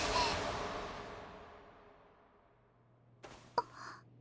あっ。